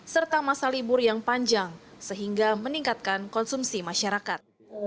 serta masa libur yang panjang sehingga meningkatkan konsumsi masyarakat